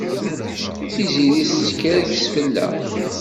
Tiziri teskerkes fell-ak.